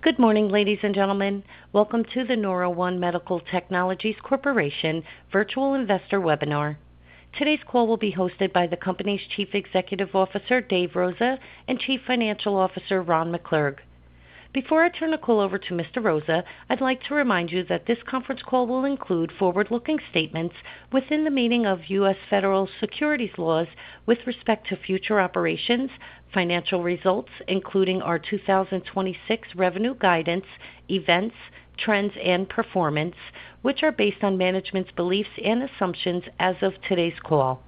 Good morning, ladies and gentlemen. Welcome to the NeuroOne Medical Technologies Corporation Virtual Investor Webinar. Today's call will be hosted by the company's Chief Executive Officer, Dave Rosa, and Chief Financial Officer, Ron McClurg. Before I turn the call over to Mr. Rosa, I'd like to remind you that this conference call will include forward-looking statements within the meaning of U.S. Federal Securities laws with respect to future operations, financial results, including our 2026 revenue guidance, events, trends, and performance, which are based on management's beliefs and assumptions as of today's call.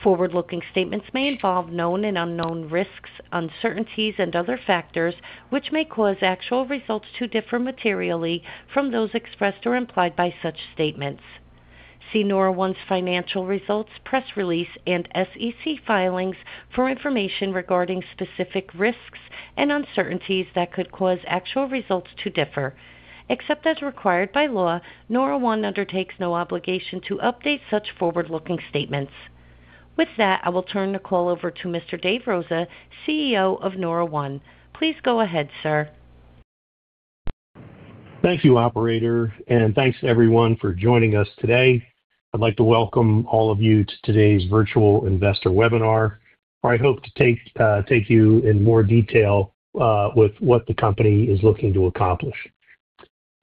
Forward-looking statements may involve known and unknown risks, uncertainties and other factors which may cause actual results to differ materially from those expressed or implied by such statements. See NeuroOne's financial results, press release, and SEC filings for information regarding specific risks and uncertainties that could cause actual results to differ. Except as required by law, NeuroOne undertakes no obligation to update such forward-looking statements. With that, I will turn the call over to Mr. Dave Rosa, CEO of NeuroOne. Please go ahead, sir. Thank you, operator, and thanks everyone for joining us today. I'd like to welcome all of you to today's virtual investor webinar, where I hope to take you in more detail with what the company is looking to accomplish.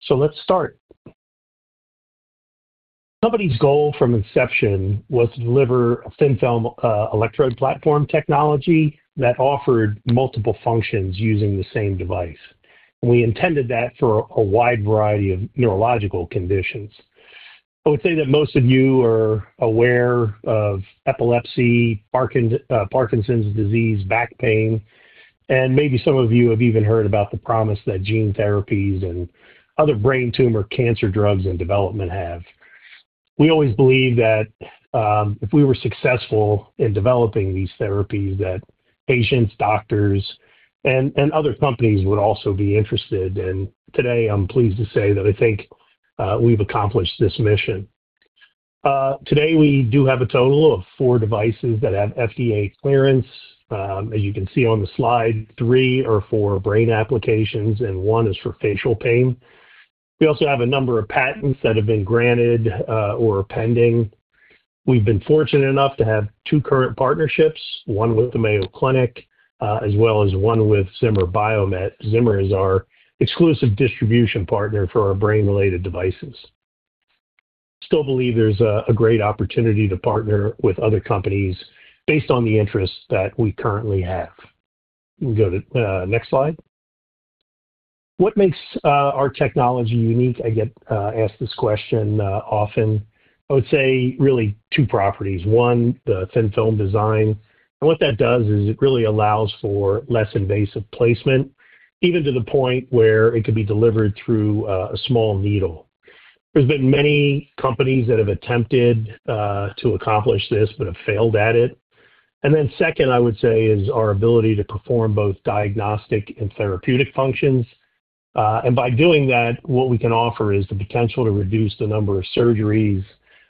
Let's start. The company's goal from inception was to deliver a thin-film electrode platform technology that offered multiple functions using the same device. We intended that for a wide variety of neurological conditions. I would say that most of you are aware of epilepsy, Parkinson's disease, back pain, and maybe some of you have even heard about the promise that gene therapies and other brain tumor cancer drugs in development have. We always believe that if we were successful in developing these therapies, that patients, doctors, and other companies would also be interested. Today, I'm pleased to say that I think we've accomplished this mission. Today we do have a total of four devices that have FDA clearance. As you can see on the slide, three are for brain applications and one is for facial pain. We also have a number of patents that have been granted or are pending. We've been fortunate enough to have two current partnerships, one with the Mayo Clinic as well as one with Zimmer Biomet. Zimmer is our exclusive distribution partner for our brain-related devices. Still believe there's a great opportunity to partner with other companies based on the interests that we currently have. We can go to next slide. What makes our technology unique? I get asked this question often. I would say really two properties. One, the thin-film design. What that does is it really allows for less invasive placement, even to the point where it could be delivered through a small needle. There's been many companies that have attempted to accomplish this but have failed at it. Second, I would say is our ability to perform both diagnostic and therapeutic functions. By doing that, what we can offer is the potential to reduce the number of surgeries,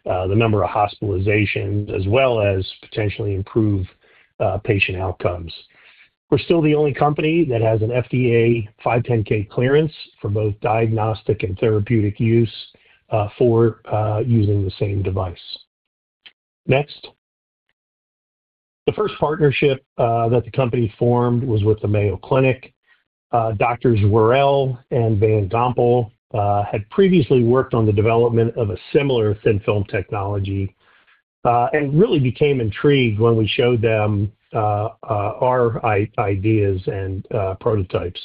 the number of hospitalizations, as well as potentially improve patient outcomes. We're still the only company that has an FDA 510(k) clearance for both diagnostic and therapeutic use for using the same device. Next. The first partnership that the company formed was with the Mayo Clinic. Doctors Worrell and Van Gompel had previously worked on the development of a similar thin-film technology and really became intrigued when we showed them our ideas and prototypes.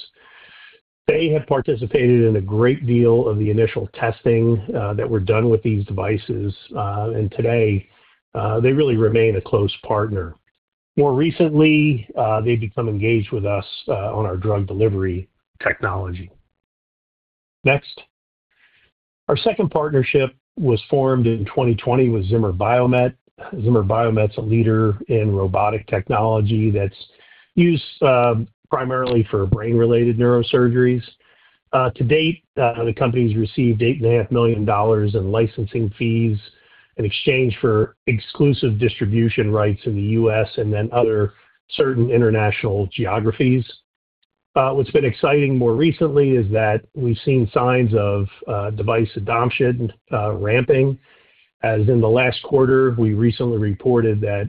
They have participated in a great deal of the initial testing that were done with these devices. Today they really remain a close partner. More recently, they've become engaged with us on our drug delivery technology. Next. Our second partnership was formed in 2020 with Zimmer Biomet. Zimmer Biomet's a leader in robotic technology that's used primarily for brain-related neurosurgeries. To date, the company's received $8.5 million in licensing fees in exchange for exclusive distribution rights in the U.S. and then other certain international geographies. What's been exciting more recently is that we've seen signs of device adoption ramping, as in the last quarter, we recently reported that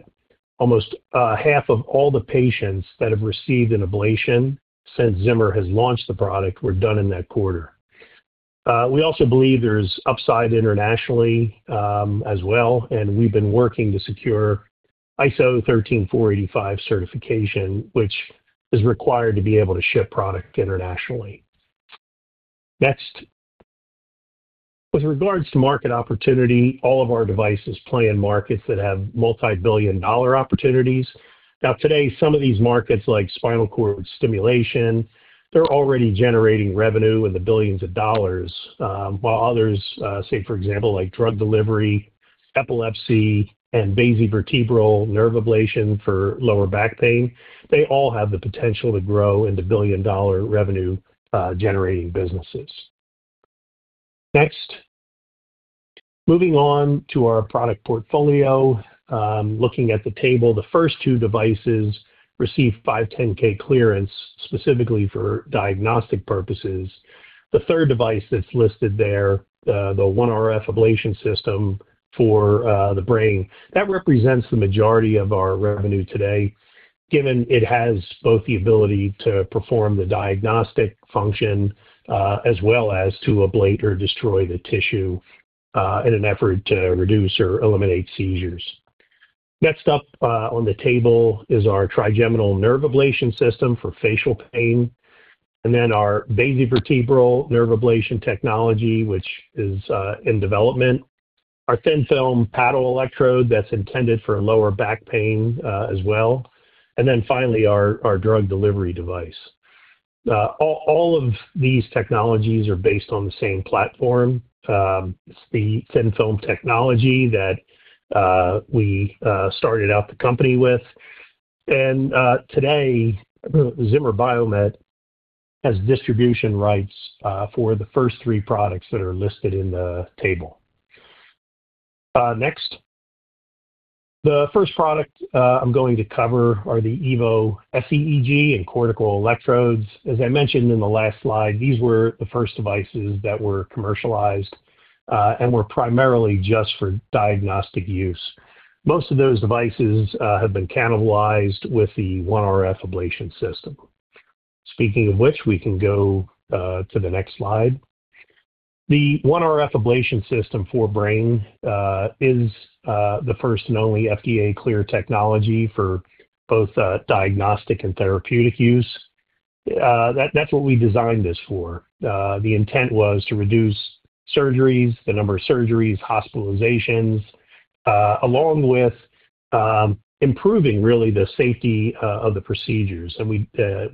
almost half of all the patients that have received an ablation since Zimmer has launched the product were done in that quarter. We also believe there's upside internationally, as well, and we've been working to secure ISO 13485 certification, which is required to be able to ship product internationally. Next. With regards to market opportunity, all of our devices play in markets that have multi-billion-dollar opportunities. Now today, some of these markets like spinal cord stimulation, they're already generating revenue in the billions of dollars, while others, say for example, like drug delivery, epilepsy, and basivertebral nerve ablation for lower back pain, they all have the potential to grow into billion-dollar revenue-generating businesses. Next. Moving on to our product portfolio, looking at the table, the first two devices received 510(k) clearance specifically for diagnostic purposes. The third device that's listed there, the OneRF Ablation System for the brain, that represents the majority of our revenue today. Given it has both the ability to perform the diagnostic function, as well as to ablate or destroy the tissue, in an effort to reduce or eliminate seizures. Next up, on the table is our Trigeminal Nerve Ablation System for facial pain, and then our Basivertebral Nerve Ablation technology, which is in development. Our thin-film paddle electrode that's intended for lower back pain, as well. Then finally our sEEG-based drug delivery system. All of these technologies are based on the same platform. It's the thin film technology that we started out the company with. Today Zimmer Biomet has distribution rights for the first three products that are listed in the table. Next. The first product I'm going to cover are the Evo sEEG and cortical electrodes. As I mentioned in the last slide, these were the first devices that were commercialized and were primarily just for diagnostic use. Most of those devices have been cannibalized with the OneRF Ablation system. Speaking of which, we can go to the next slide. The OneRF Ablation system for brain is the first and only FDA-cleared technology for both diagnostic and therapeutic use. That's what we designed this for. The intent was to reduce surgeries, the number of surgeries, hospitalizations, along with improving really the safety of the procedures. We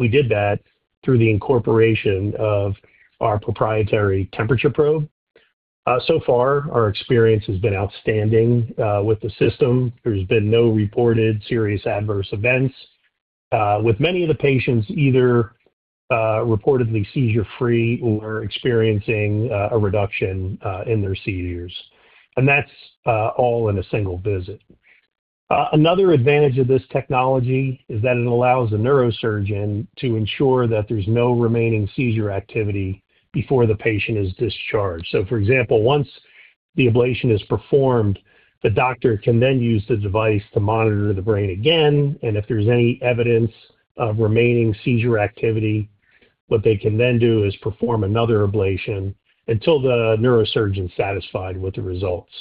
did that through the incorporation of our proprietary temperature probe. So far our experience has been outstanding with the system. There's been no reported serious adverse events with many of the patients either reportedly seizure-free or experiencing a reduction in their seizures. That's all in a single visit. Another advantage of this technology is that it allows a neurosurgeon to ensure that there's no remaining seizure activity before the patient is discharged. For example, once the ablation is performed, the doctor can then use the device to monitor the brain again, and if there's any evidence of remaining seizure activity, what they can then do is perform another ablation until the neurosurgeon's satisfied with the results.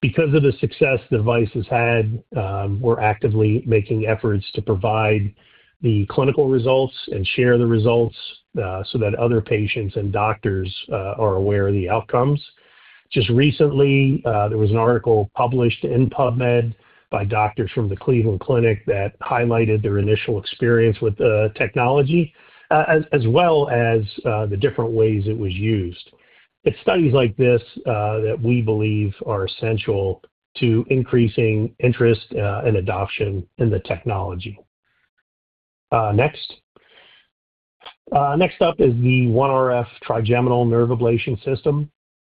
Because of the success the device has had, we're actively making efforts to provide the clinical results and share the results, so that other patients and doctors are aware of the outcomes. Just recently, there was an article published in PubMed by doctors from the Cleveland Clinic that highlighted their initial experience with the technology, as well as the different ways it was used. It's studies like this that we believe are essential to increasing interest and adoption in the technology. Next up is the OneRF Trigeminal Nerve Ablation System.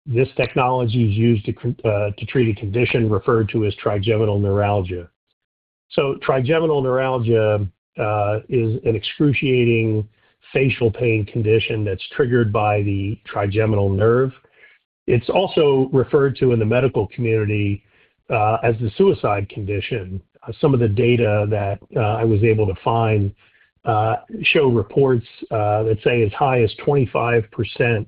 This technology is used to treat a condition referred to as trigeminal neuralgia. Trigeminal neuralgia is an excruciating facial pain condition that's triggered by the trigeminal nerve. It's also referred to in the medical community as the suicide condition. Some of the data that I was able to find show reports that say as high as 25%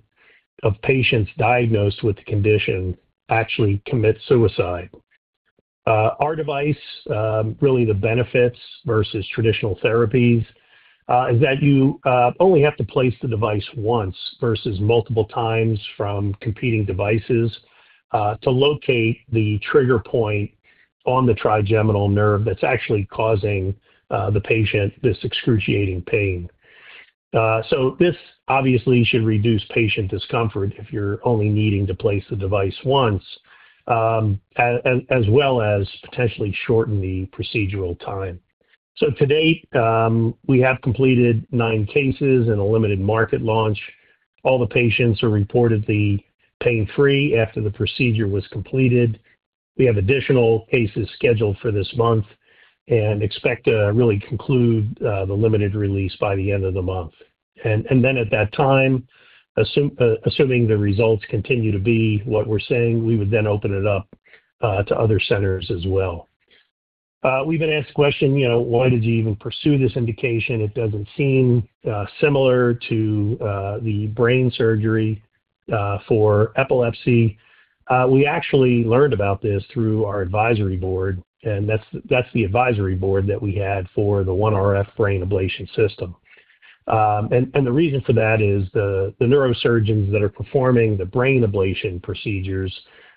of patients diagnosed with the condition actually commit suicide. Our device really the benefits versus traditional therapies is that you only have to place the device once versus multiple times from competing devices to locate the trigger point on the trigeminal nerve that's actually causing the patient this excruciating pain. This obviously should reduce patient discomfort if you're only needing to place the device once as well as potentially shorten the procedural time. To date, we have completed 9 cases in a limited market launch. All the patients are reportedly pain-free after the procedure was completed. We have additional cases scheduled for this month and expect to conclude the limited release by the end of the month. Then at that time, assuming the results continue to be what we're saying, we would open it up to other centers as well. We've been asked the question, you know, why did you even pursue this indication? It doesn't seem similar to the brain surgery for epilepsy. We actually learned about this through our advisory board, and that's the advisory board that we had for the OneRF Brain Ablation System. The reason for that is the neurosurgeons that are performing the brain ablation procedures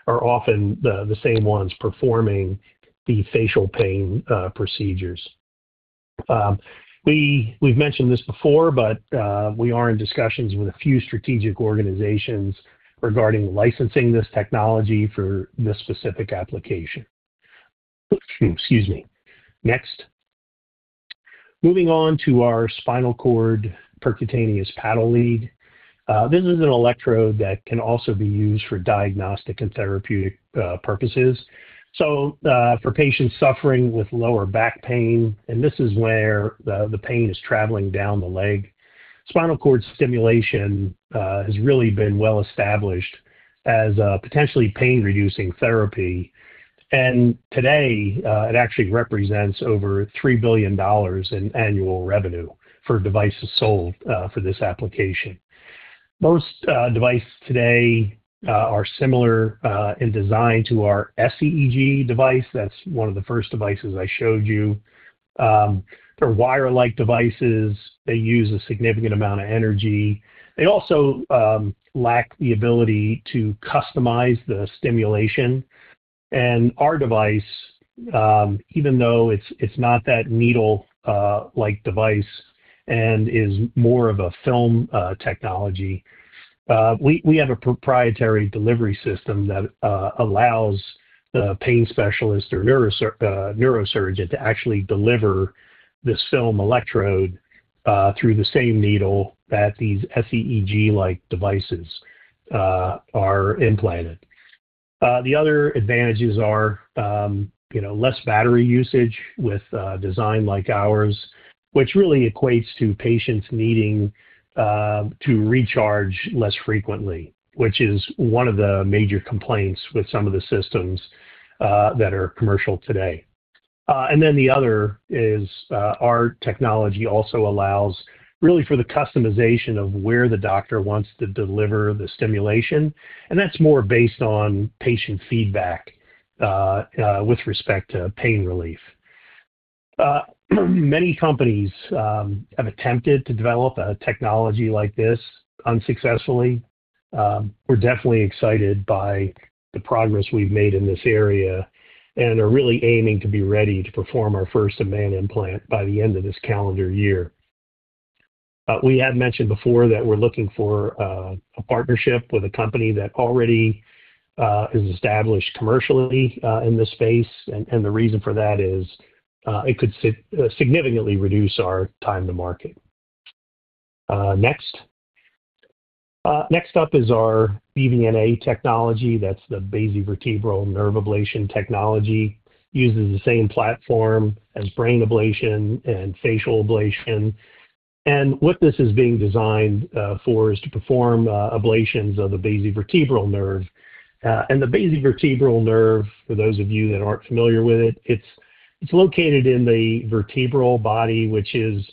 are often the same ones performing the facial pain procedures. We've mentioned this before, but we are in discussions with a few strategic organizations regarding licensing this technology for this specific application. Excuse me. Next. Moving on to our spinal cord percutaneous paddle lead. This is an electrode that can also be used for diagnostic and therapeutic purposes. For patients suffering with lower back pain, and this is where the pain is traveling down the leg. Spinal cord stimulation has really been well established as a potentially pain-reducing therapy. Today, it actually represents over $3 billion in annual revenue for devices sold for this application. Most devices today are similar in design to our SEEG device. That's one of the first devices I showed you. They're wire-like devices. They use a significant amount of energy. They also lack the ability to customize the stimulation. Our device, even though it's not that needle like device and is more of a film technology, we have a proprietary delivery system that allows the pain specialist or neurosurgeon to actually deliver this film electrode through the same needle that these SEEG-like devices are implanted. The other advantages are, you know, less battery usage with a design like ours, which really equates to patients needing to recharge less frequently, which is one of the major complaints with some of the systems that are commercial today. The other is our technology also allows really for the customization of where the doctor wants to deliver the stimulation, and that's more based on patient feedback with respect to pain relief. Many companies have attempted to develop a technology like this unsuccessfully. We're definitely excited by the progress we've made in this area and are really aiming to be ready to perform our first-in-man implant by the end of this calendar year. We have mentioned before that we're looking for a partnership with a company that already is established commercially in this space. The reason for that is it could significantly reduce our time to market. Next up is our BVNA technology. That's the basivertebral nerve ablation technology. Uses the same platform as brain ablation and facial ablation. What this is being designed for is to perform ablations of the basivertebral nerve. The basivertebral nerve, for those of you that aren't familiar with it's located in the vertebral body, which is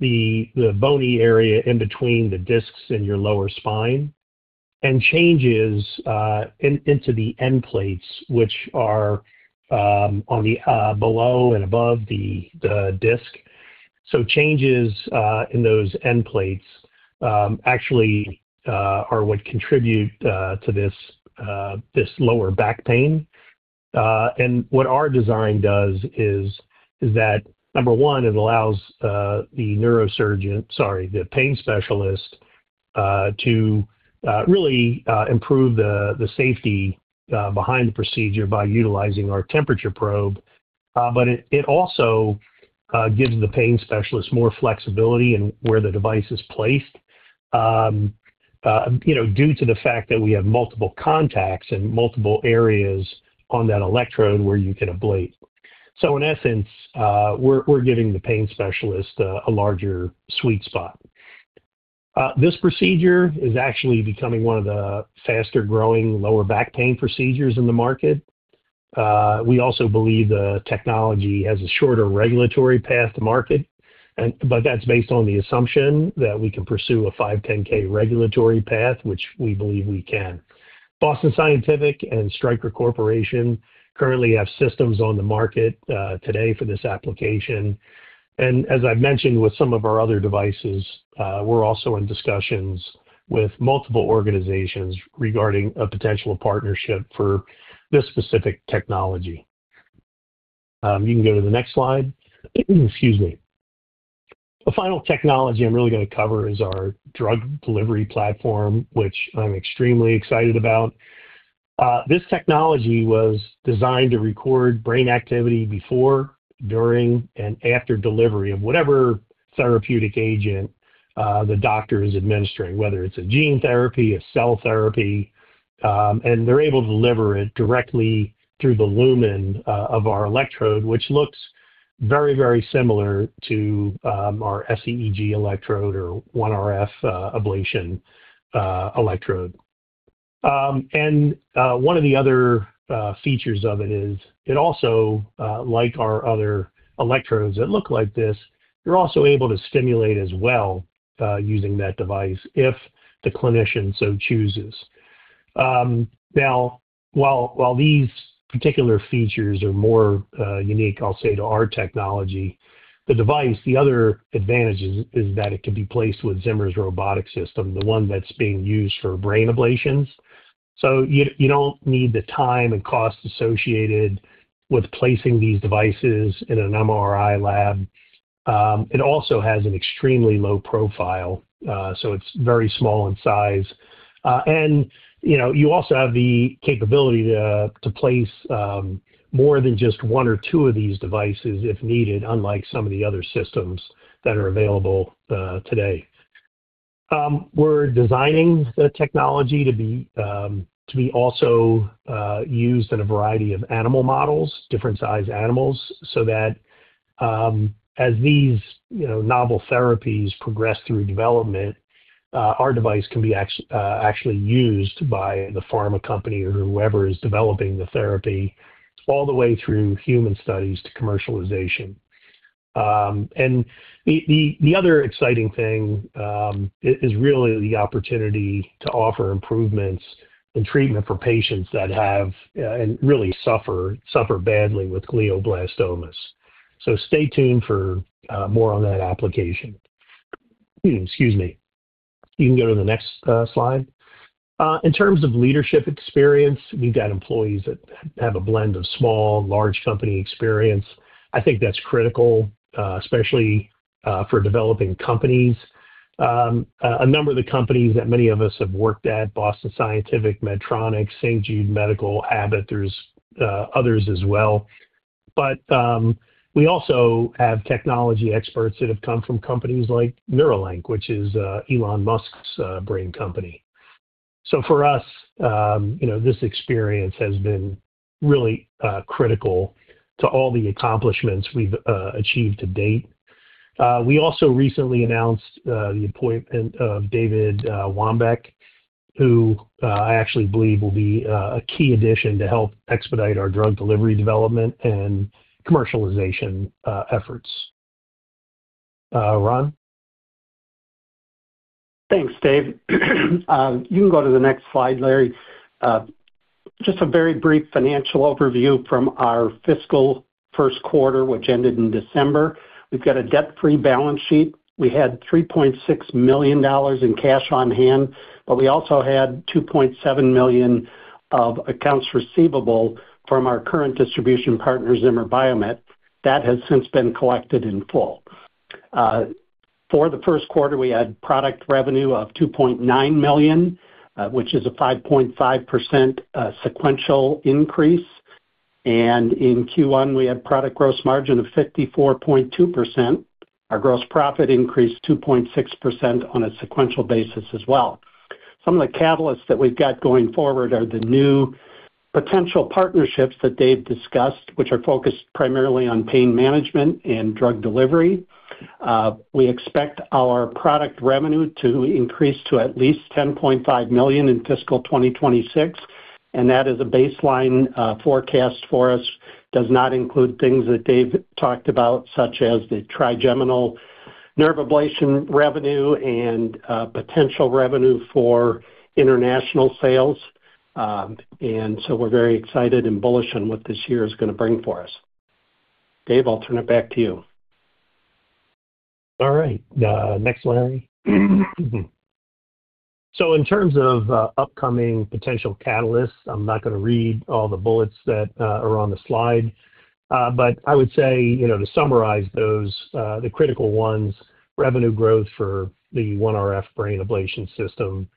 the bony area in between the discs in your lower spine, and changes in the end plates, which are on the below and above the disc. Changes in those end plates actually are what contribute to this lower back pain. What our design does is that, number one, it allows the neurosurgeon-sorry, the pain specialist to really improve the safety behind the procedure by utilizing our temperature probe. It also gives the pain specialist more flexibility in where the device is placed, you know, due to the fact that we have multiple contacts and multiple areas on that electrode where you can ablate. In essence, we're giving the pain specialist a larger sweet spot. This procedure is actually becoming one of the faster-growing lower back pain procedures in the market. We also believe the technology has a shorter regulatory path to market, but that's based on the assumption that we can pursue a 510(k) regulatory path, which we believe we can. Boston Scientific and Stryker Corporation currently have systems on the market today for this application. As I mentioned with some of our other devices, we're also in discussions with multiple organizations regarding a potential partnership for this specific technology. You can go to the next slide. Excuse me. The final technology I'm really going to cover is our drug delivery platform, which I'm extremely excited about. This technology was designed to record brain activity before, during, and after delivery of whatever therapeutic agent the doctor is administering, whether it's a gene therapy, a cell therapy, and they're able to deliver it directly through the lumen of our electrode, which looks very, very similar to our SEEG electrode or OneRF ablation electrode. One of the other features of it is it also, like our other electrodes that look like this, you're also able to stimulate as well using that device if the clinician so chooses. Now, while these particular features are more unique, I'll say to our technology, the device, the other advantage is that it can be placed with Zimmer Biomet's robotic system, the one that's being used for brain ablations. You don't need the time and cost associated with placing these devices in an MRI lab. It also has an extremely low profile, so it's very small in size. And, you know, you also have the capability to place more than just one or two of these devices if needed, unlike some of the other systems that are available today. We're designing the technology to be also used in a variety of animal models, different sized animals, so that as these, you know, novel therapies progress through development, our device can be actually used by the pharma company or whoever is developing the therapy all the way through human studies to commercialization. The other exciting thing is really the opportunity to offer improvements in treatment for patients that have and really suffer badly with glioblastomas. Stay tuned for more on that application. Excuse me. You can go to the next slide. In terms of leadership experience, we've got employees that have a blend of small, large company experience. I think that's critical, especially for developing companies. A number of the companies that many of us have worked at, Boston Scientific, Medtronic, St. Jude Medical, Abbott, there's others as well. We also have technology experts that have come from companies like Neuralink, which is Elon Musk's brain company. For us, you know, this experience has been really critical to all the accomplishments we've achieved to date. We also recently announced the appointment of David Wambach, who I actually believe will be a key addition to help expedite our drug delivery development and commercialization efforts. Ron. Thanks, Dave. You can go to the next slide, Larry. Just a very brief financial overview from our fiscal first quarter, which ended in December. We've got a debt-free balance sheet. We had $3.6 million in cash on hand, but we also had $2.7 million of accounts receivable from our current distribution partner, Zimmer Biomet. That has since been collected in full. For the first quarter, we had product revenue of $2.9 million, which is a 5.5% sequential increase. In Q1, we had product gross margin of 54.2%. Our gross profit increased 2.6% on a sequential basis as well. Some of the catalysts that we've got going forward are the new potential partnerships that Dave discussed, which are focused primarily on pain management and drug delivery. We expect our product revenue to increase to at least $10.5 million in fiscal 2026, and that is a baseline forecast for us. It does not include things that Dave talked about, such as the trigeminal nerve ablation revenue and potential revenue for international sales. We're very excited and bullish on what this year is gonna bring for us. Dave, I'll turn it back to you. All right. Next, Larry. In terms of upcoming potential catalysts, I'm not gonna read all the bullets that are on the slide. I would say, you know, to summarize those, the critical ones, revenue growth for the OneRF brain ablation system,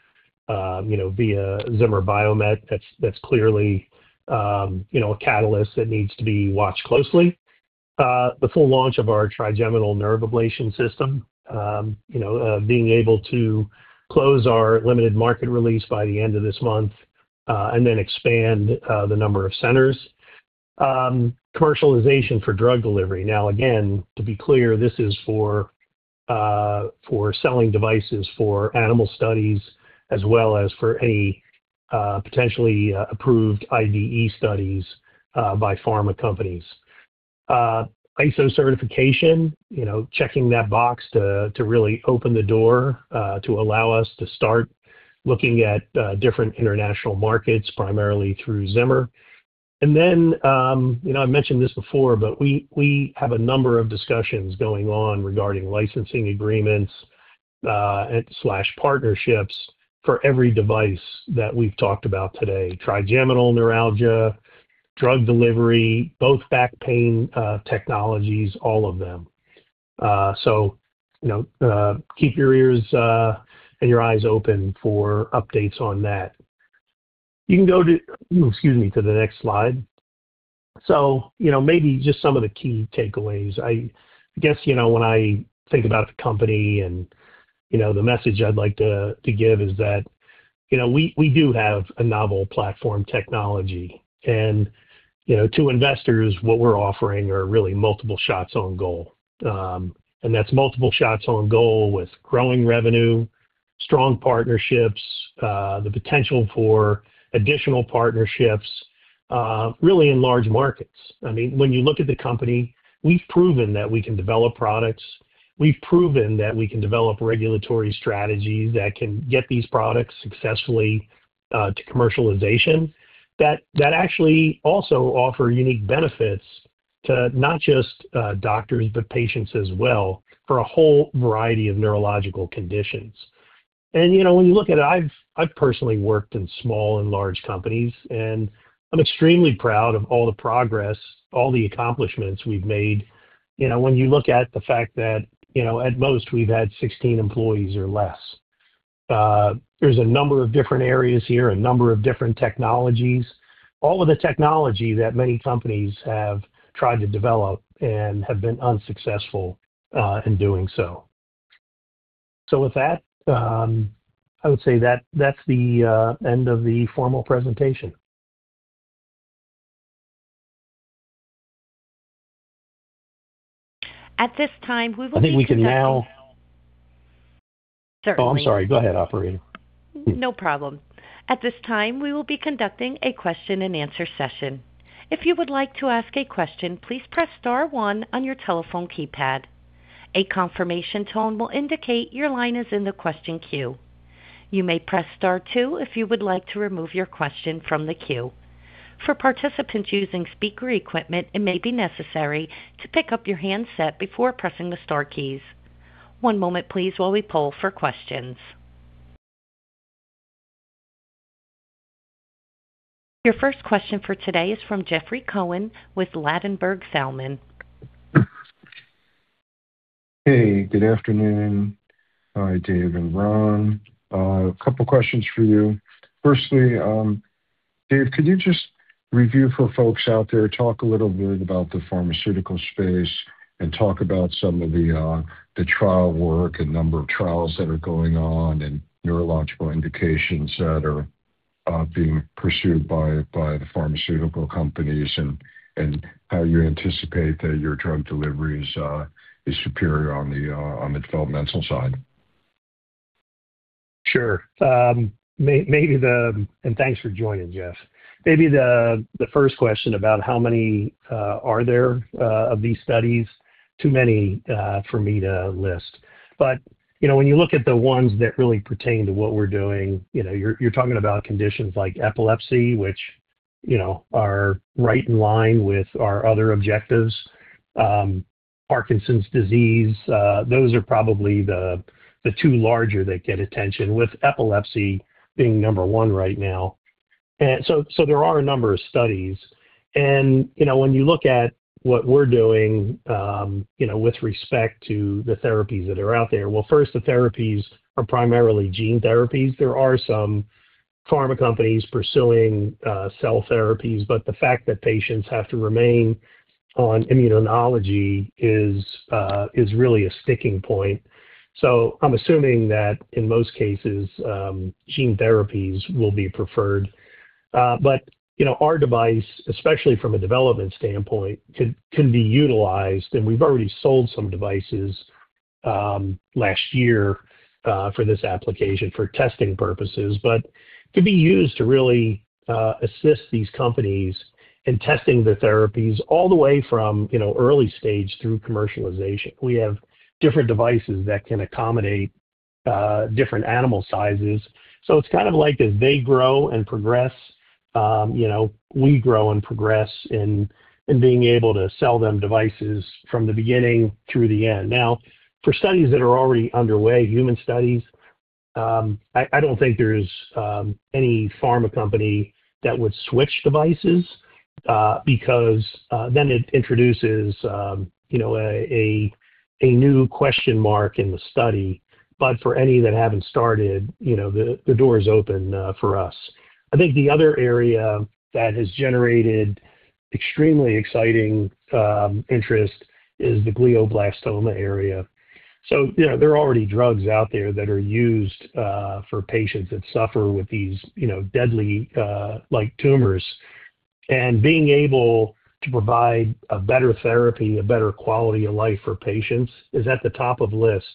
you know, via Zimmer Biomet, that's clearly, you know, a catalyst that needs to be watched closely. The full launch of our trigeminal nerve ablation system, you know, being able to close our limited market release by the end of this month, and then expand the number of centers. Commercialization for drug delivery. Now, again, to be clear, this is for selling devices for animal studies as well as for any potentially approved IDE studies by pharma companies. ISO certification, you know, checking that box to really open the door to allow us to start looking at different international markets, primarily through Zimmer. Then, you know, I've mentioned this before, but we have a number of discussions going on regarding licensing agreements, and slash partnerships for every device that we've talked about today. Trigeminal neuralgia, drug delivery, both back pain technologies, all of them. You know, keep your ears and your eyes open for updates on that. You can go to, excuse me, to the next slide. You know, maybe just some of the key takeaways. I guess, you know, when I think about the company and, you know, the message I'd like to give is that, you know, we do have a novel platform technology. You know, to investors, what we're offering are really multiple shots on goal. That's multiple shots on goal with growing revenue, strong partnerships, the potential for additional partnerships, really in large markets. I mean, when you look at the company, we've proven that we can develop products. We've proven that we can develop regulatory strategies that can get these products successfully to commercialization that actually also offer unique benefits to not just doctors, but patients as well, for a whole variety of neurological conditions. You know, when you look at it, I've personally worked in small and large companies, and I'm extremely proud of all the progress, all the accomplishments we've made, you know, when you look at the fact that, you know, at most we've had 16 employees or less. There's a number of different areas here, a number of different technologies, all of the technology that many companies have tried to develop and have been unsuccessful in doing so. With that, I would say that's the end of the formal presentation. At this time, we will be conducting. I think we can now. Certainly. Oh, I'm sorry. Go ahead, operator. No problem. At this time, we will be conducting a question and answer session. If you would like to ask a question, please press star one on your telephone keypad. A confirmation tone will indicate your line is in the question queue. You may press star two if you would like to remove your question from the queue. For participants using speaker equipment, it may be necessary to pick up your handset before pressing the star keys. One moment please while we poll for questions. Your first question for today is from Jeffrey Cohen with Ladenburg Thalmann. Hey, good afternoon. Hi, Dave and Ron. A couple questions for you. Firstly, Dave, could you just review for folks out there, talk a little bit about the pharmaceutical space and talk about some of the trial work and number of trials that are going on and neurological indications that are being pursued by the pharmaceutical companies and how you anticipate that your drug delivery is superior on the developmental side? Sure. Thanks for joining, Jeff. Maybe the first question about how many are there of these studies, too many for me to list. You know, when you look at the ones that really pertain to what we're doing, you know, you're talking about conditions like epilepsy, which, you know, are right in line with our other objectives, Parkinson's disease, those are probably the two larger that get attention, with epilepsy being number one right now. There are a number of studies. You know, when you look at what we're doing, you know, with respect to the therapies that are out there. Well, first, the therapies are primarily gene therapies. There are some pharma companies pursuing cell therapies, but the fact that patients have to remain on immunosuppression is really a sticking point. I'm assuming that in most cases gene therapies will be preferred. You know, our device, especially from a development standpoint, can be utilized, and we've already sold some devices last year for this application for testing purposes. Could be used to really assist these companies in testing the therapies all the way from you know early stage through commercialization. We have different devices that can accommodate different animal sizes. It's kind of like as they grow and progress you know we grow and progress in being able to sell them devices from the beginning through the end. Now, for studies that are already underway, human studies, I don't think there's any pharma company that would switch devices, because then it introduces, you know, a new question mark in the study. For any that haven't started, you know, the door is open for us. I think the other area that has generated extremely exciting interest is the glioblastoma area. You know, there are already drugs out there that are used for patients that suffer with these, you know, deadly like tumors. Being able to provide a better therapy, a better quality of life for patients is at the top of the list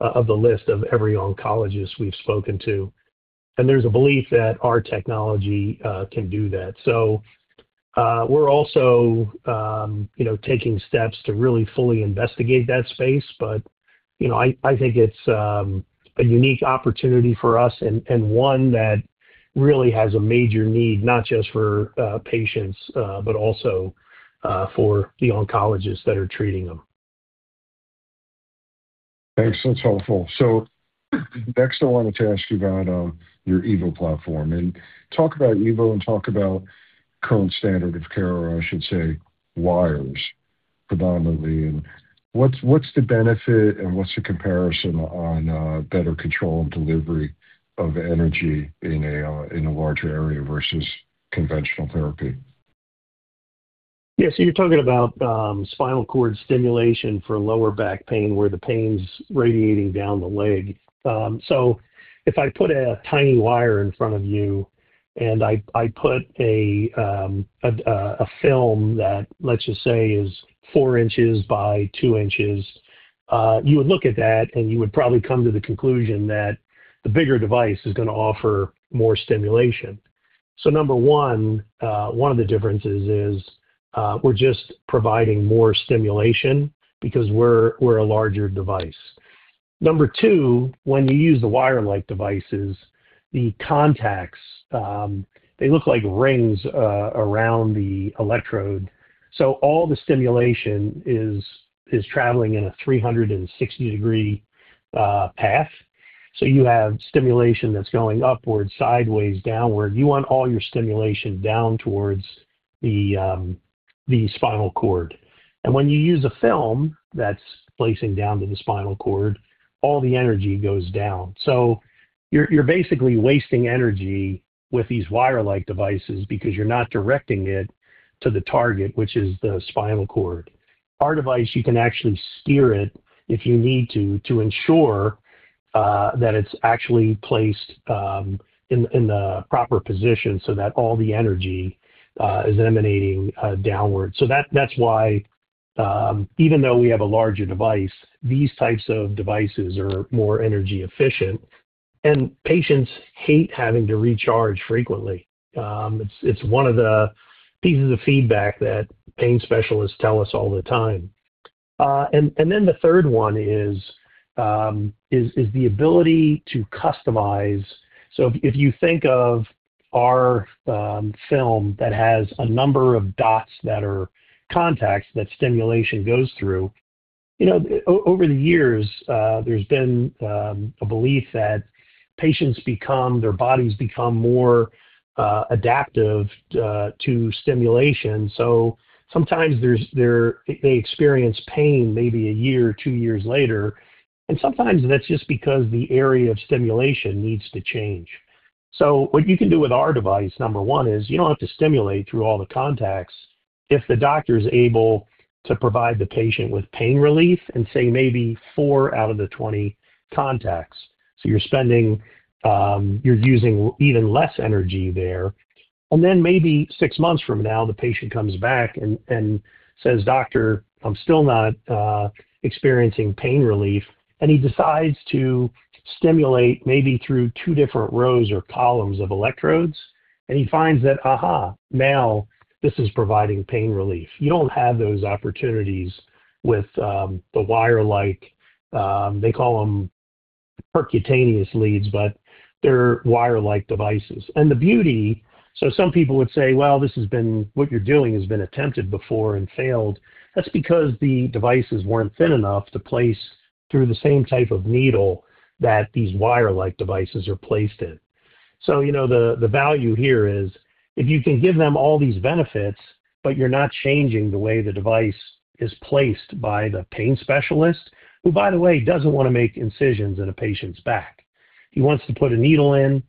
of every oncologist we've spoken to. There's a belief that our technology can do that. We're also, you know, taking steps to really fully investigate that space. You know, I think it's a unique opportunity for us and one that really has a major need, not just for patients, but also for the oncologists that are treating them. Thanks. That's helpful. Next, I wanted to ask you about your Evo platform and talk about Evo and current standard of care, or I should say wires predominantly. What's the benefit and what's the comparison on better control and delivery of energy in a larger area versus conventional therapy? Yeah. You're talking about spinal cord stimulation for lower back pain, where the pain's radiating down the leg. If I put a tiny wire in front of you and I put a film that, let's just say, is four inches by two inches, you would look at that and you would probably come to the conclusion that the bigger device is gonna offer more stimulation. Number one of the differences is, we're just providing more stimulation because we're a larger device. Number two, when you use the wire-like devices, the contacts, they look like rings around the electrode. All the stimulation is traveling in a 360-degree path. You have stimulation that's going upward, sideways, downward. You want all your stimulation down towards the spinal cord. When you use a film that's placing down to the spinal cord, all the energy goes down. You're basically wasting energy with these wire-like devices because you're not directing it to the target, which is the spinal cord. Our device, you can actually steer it if you need to ensure that it's actually placed in the proper position so that all the energy is emanating downward. That's why, even though we have a larger device, these types of devices are more energy efficient. Patients hate having to recharge frequently. It's one of the pieces of feedback that pain specialists tell us all the time. Then the third one is the ability to customize. If you think of our film that has a number of dots that are contacts that stimulation goes through. You know, over the years, there's been a belief that their bodies become more adaptive to stimulation. Sometimes they experience pain maybe a year or two years later. Sometimes that's just because the area of stimulation needs to change. What you can do with our device, number one, is you don't have to stimulate through all the contacts. If the doctor is able to provide the patient with pain relief in, say, maybe four out of the 20 contacts. You're using even less energy there. Then maybe six months from now, the patient comes back and says, "Doctor, I'm still not experiencing pain relief." He decides to stimulate maybe through two different rows or columns of electrodes, and he finds that, aha, now this is providing pain relief. You don't have those opportunities with the wire-like. They call them percutaneous leads, but they're wire-like devices. Some people would say, "Well, what you're doing has been attempted before and failed." That's because the devices weren't thin enough to place through the same type of needle that these wire-like devices are placed in. You know, the value here is if you can give them all these benefits, but you're not changing the way the device is placed by the pain specialist, who, by the way, doesn't want to make incisions in a patient's back. He wants to put a needle in,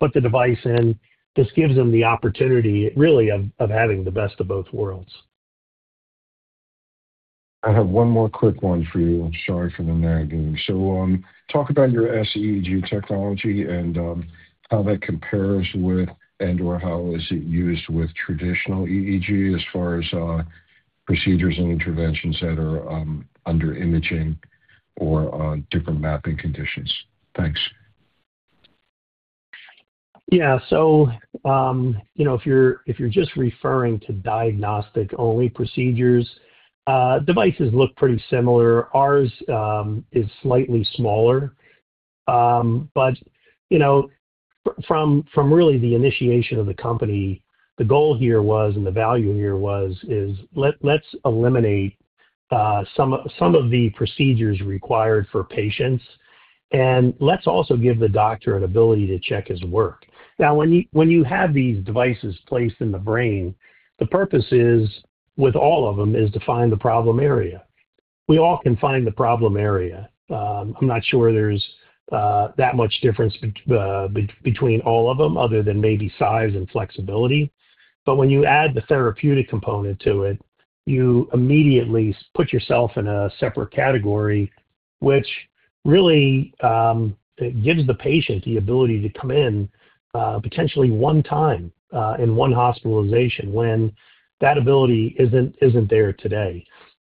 put the device in. This gives him the opportunity, really, of having the best of both worlds. I have one more quick one for you. I'm sorry for the nagging. Talk about your SEEG technology and how that compares with and/or how is it used with traditional EEG as far as procedures and interventions that are under imaging or on different mapping conditions. Thanks. Yeah. You know, if you're just referring to diagnostic-only procedures, devices look pretty similar. Ours is slightly smaller. You know, from really the initiation of the company, the goal here was and the value here was is let's eliminate some of the procedures required for patients. Let's also give the doctor an ability to check his work. Now, when you have these devices placed in the brain, the purpose is, with all of them, is to find the problem area. We all can find the problem area. I'm not sure there's that much difference between all of them other than maybe size and flexibility. when you add the therapeutic component to it, you immediately put yourself in a separate category, which really gives the patient the ability to come in potentially one time in one hospitalization when that ability isn't there today.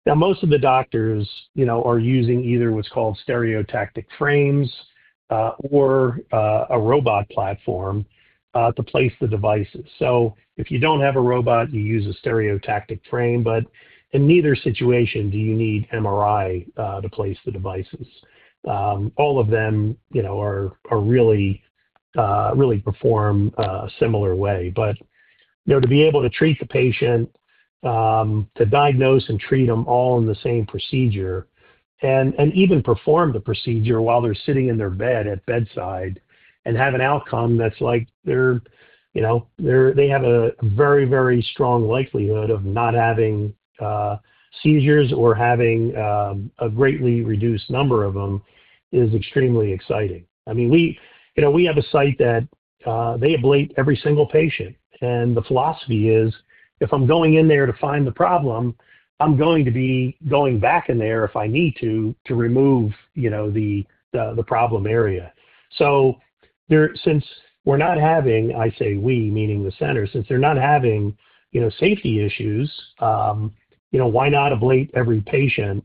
Now, most of the doctors, you know, are using either what's called stereotactic frames or a robot platform to place the devices. If you don't have a robot, you use a stereotactic frame. In neither situation do you need MRI to place the devices. All of them, you know, are really performed similar way. You know, to be able to treat the patient, to diagnose and treat them all in the same procedure and even perform the procedure while they're sitting in their bed at bedside and have an outcome that's like, you know, they have a very, very strong likelihood of not having seizures or having a greatly reduced number of them is extremely exciting. I mean, you know, we have a site that they ablate every single patient. The philosophy is, if I'm going in there to find the problem, I'm going to be going back in there if I need to remove, you know, the problem area. Since we're not having, I say "we" meaning the center, since they're not having, you know, safety issues, you know, why not ablate every patient?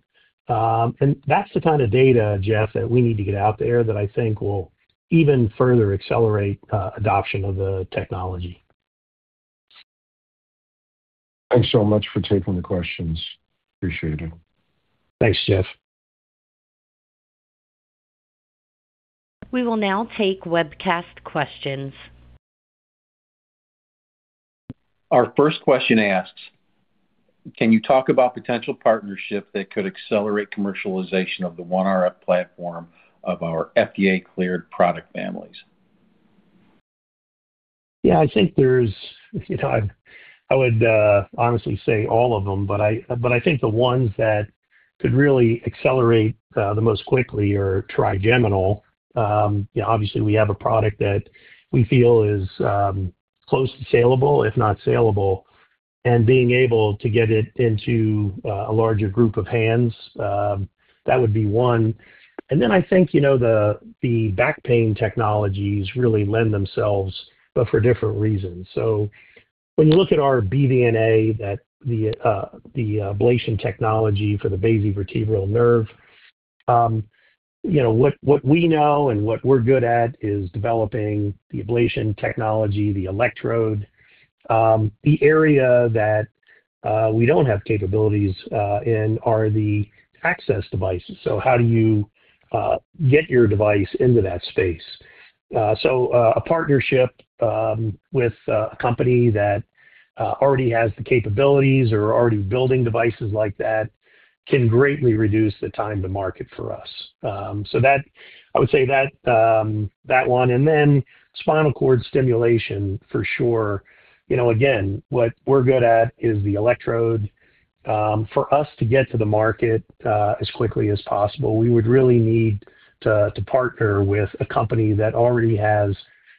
That's the kind of data, Jeff, that we need to get out there that I think will even further accelerate adoption of the technology. Thanks so much for taking the questions. Appreciate it. Thanks, Jeff. We will now take webcast questions. Our first question asks, can you talk about potential partnership that could accelerate commercialization of the OneRF platform of our FDA-cleared product families? Yeah, I think there's, you know, I would honestly say all of them, but I think the ones that could really accelerate the most quickly are trigeminal. You know, obviously, we have a product that we feel is close to saleable, if not saleable, and being able to get it into a larger group of hands, that would be one. I think, you know, the back pain technologies really lend themselves, but for different reasons. When you look at our BVNA, the ablation technology for the basivertebral nerve, you know, what we know and what we're good at is developing the ablation technology, the electrode. The area that we don't have capabilities in are the access devices. How do you get your device into that space? A partnership with a company that already has the capabilities or already building devices like that can greatly reduce the time to market for us. That I would say that one, and then spinal cord stimulation for sure. You know, again, what we're good at is the electrode. For us to get to the market as quickly as possible, we would really need to partner with a company that already has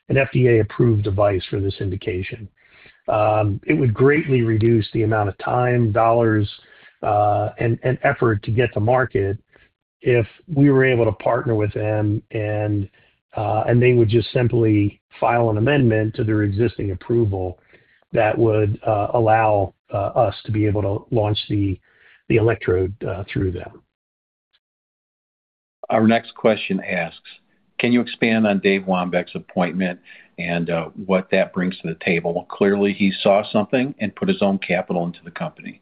an FDA-approved device for this indication. It would greatly reduce the amount of time, dollars, and effort to get to market if we were able to partner with them and they would just simply file an amendment to their existing approval that would allow us to be able to launch the electrode through them. Our next question asks, "Can you expand on David Wambach's appointment and what that brings to the table? Clearly, he saw something and put his own capital into the company.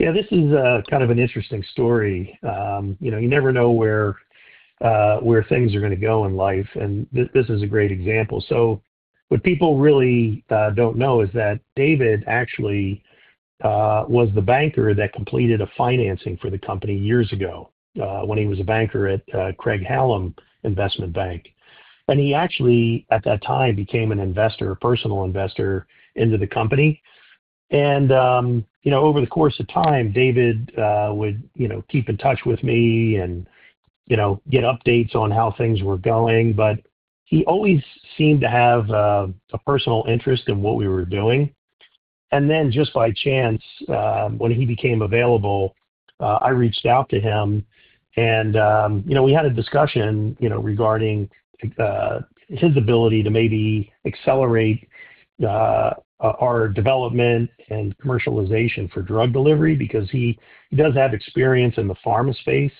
Yeah. This is kind of an interesting story. You know, you never know where things are gonna go in life, and this is a great example. What people really don't know is that David actually was the banker that completed a financing for the company years ago when he was a banker at Craig-Hallum Capital Group. He actually, at that time, became an investor, a personal investor into the company. You know, over the course of time, David would, you know, keep in touch with me and, you know, get updates on how things were going. He always seemed to have a personal interest in what we were doing. Just by chance, when he became available, I reached out to him and, you know, we had a discussion, you know, regarding his ability to maybe accelerate our development and commercialization for drug delivery because he does have experience in the pharma space.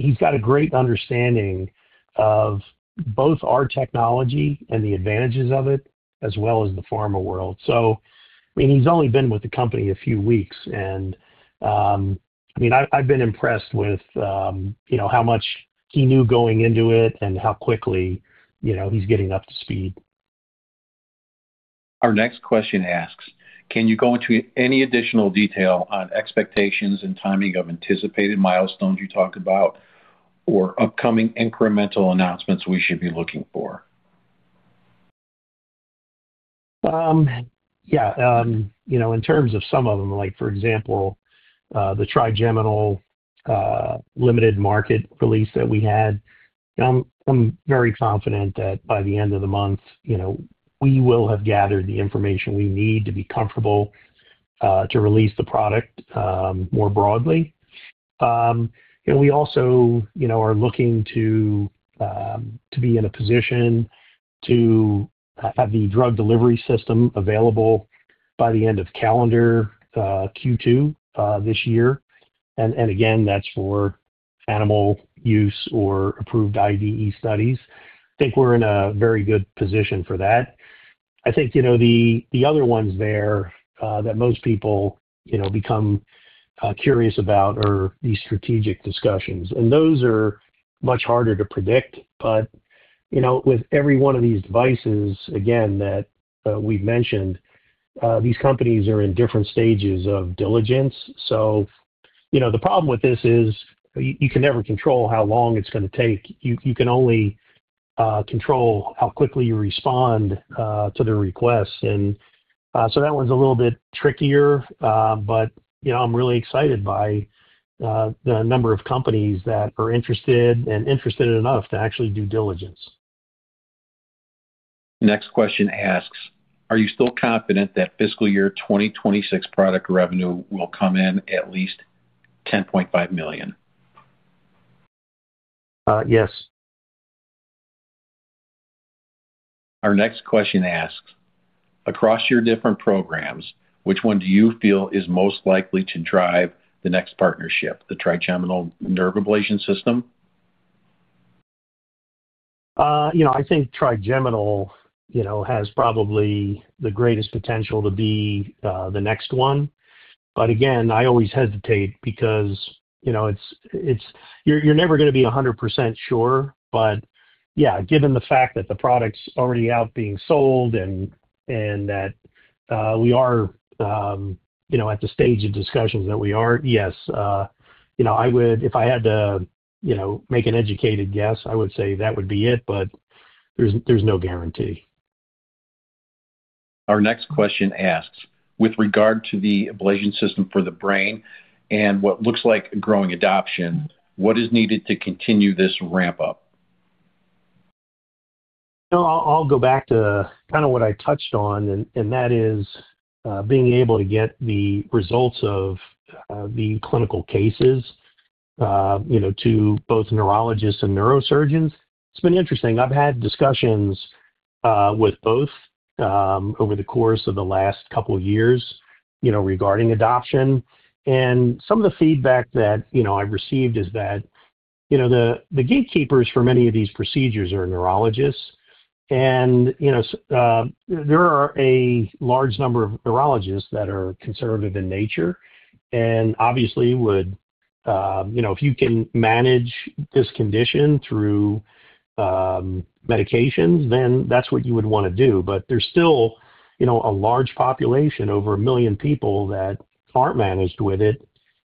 He's got a great understanding of both our technology and the advantages of it, as well as the pharma world. I mean, he's only been with the company a few weeks and, I mean, I've been impressed with, you know, how much he knew going into it and how quickly, you know, he's getting up to speed. Our next question asks, "Can you go into any additional detail on expectations and timing of anticipated milestones you talked about or upcoming incremental announcements we should be looking for? Yeah. You know, in terms of some of them, like for example, the trigeminal limited market release that we had, I'm very confident that by the end of the month, you know, we will have gathered the information we need to be comfortable to release the product more broadly. We also, you know, are looking to be in a position to have the drug delivery system available by the end of calendar Q2 this year. Again, that's for animal use or approved IDE studies. I think we're in a very good position for that. I think, you know, the other ones there that most people, you know, become curious about are the strategic discussions, and those are much harder to predict. You know, with every one of these devices, again, that we've mentioned, these companies are in different stages of diligence. You know, the problem with this is you can never control how long it's gonna take. You can only control how quickly you respond to the requests. That one's a little bit trickier. You know, I'm really excited by the number of companies that are interested and interested enough to actually do diligence. Next question asks, "Are you still confident that fiscal year 2026 product revenue will come in at least $10.5 million? Yes. Our next question asks, "Across your different programs, which one do you feel is most likely to drive the next partnership? The Trigeminal Nerve Ablation System? You know, I think trigeminal you know has probably the greatest potential to be the next one. Again, I always hesitate because you know it's you're never gonna be 100% sure. Yeah, given the fact that the product's already out being sold and that we are you know at the stage of discussions that we are, yes you know I would. If I had to you know make an educated guess, I would say that would be it, but there's no guarantee. Our next question asks, with regard to the ablation system for the brain and what looks like a growing adoption, what is needed to continue this ramp up? I'll go back to kinda what I touched on, and that is being able to get the results of the clinical cases you know to both neurologists and neurosurgeons. It's been interesting. I've had discussions with both over the course of the last couple years you know regarding adoption. Some of the feedback that you know I've received is that the gatekeepers for many of these procedures are neurologists. You know there are a large number of neurologists that are conservative in nature and obviously would you know if you can manage this condition through medications, then that's what you would wanna do. There's still you know a large population over a million people that aren't managed with it.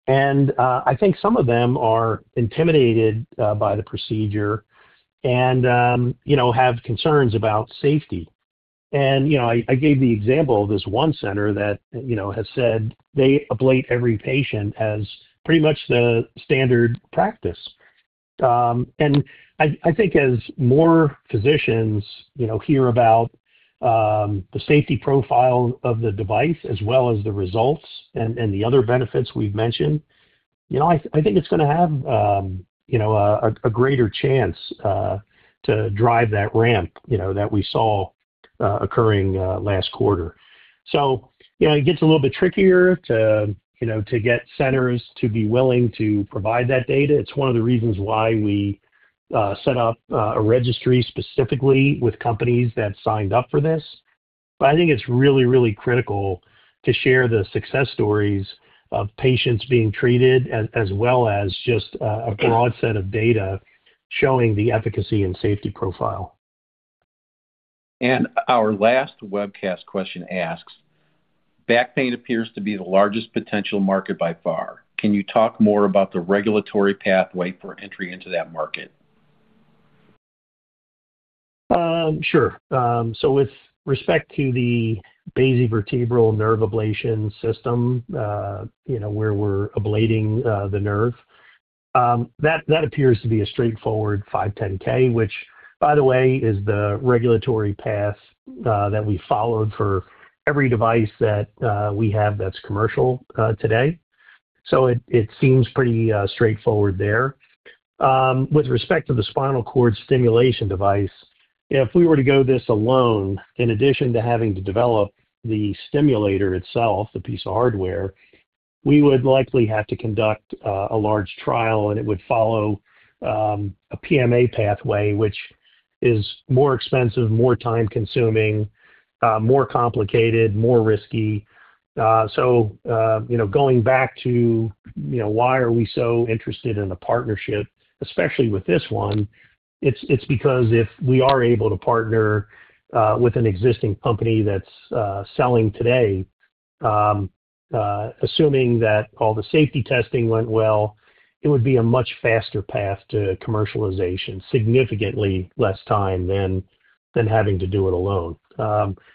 I think some of them are intimidated by the procedure and, you know, have concerns about safety. I gave the example of this one center that, you know, has said they ablate every patient as pretty much the standard practice. I think as more physicians, you know, hear about the safety profile of the device as well as the results and the other benefits we've mentioned, you know, I think it's gonna have, you know, a greater chance to drive that ramp, you know, that we saw occurring last quarter. It gets a little bit trickier to, you know, to get centers to be willing to provide that data. It's one of the reasons why we set up a registry specifically with companies that signed up for this. I think it's really, really critical to share the success stories of patients being treated as well as just a broad set of data showing the efficacy and safety profile. Our last webcast question asks, back pain appears to be the largest potential market by far. Can you talk more about the regulatory pathway for entry into that market? Sure. With respect to the basivertebral nerve ablation system, you know, where we're ablating the nerve, that appears to be a straightforward 510(k), which, by the way, is the regulatory path that we followed for every device that we have that's commercial today. It seems pretty straightforward there. With respect to the spinal cord stimulation device, if we were to go this alone, in addition to having to develop the stimulator itself, the piece of hardware, we would likely have to conduct a large trial, and it would follow a PMA pathway, which is more expensive, more time-consuming, more complicated, more risky. You know, going back to, you know, why are we so interested in the partnership, especially with this one, it's because if we are able to partner with an existing company that's selling today, assuming that all the safety testing went well, it would be a much faster path to commercialization, significantly less time than having to do it alone.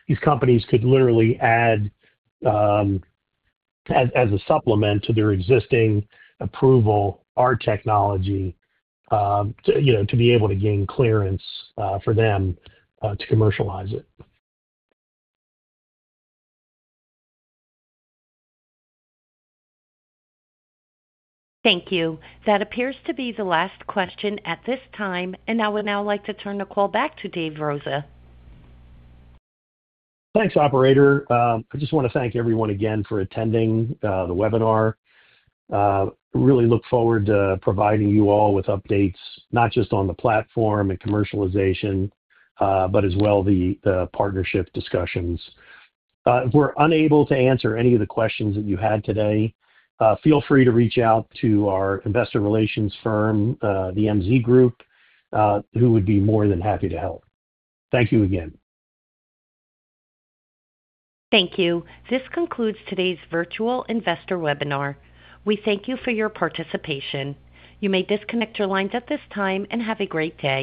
These companies could literally add, as a supplement to their existing approval, our technology, to you know, to be able to gain clearance for them to commercialize it. Thank you. That appears to be the last question at this time, and I would now like to turn the call back to Dave Rosa. Thanks, operator. I just wanna thank everyone again for attending the webinar. Really look forward to providing you all with updates, not just on the platform and commercialization, but as well the partnership discussions. If we're unable to answer any of the questions that you had today, feel free to reach out to our investor relations firm, the MZ Group, who would be more than happy to help. Thank you again. Thank you. This concludes today's virtual investor webinar. We thank you for your participation. You may disconnect your lines at this time, and have a great day.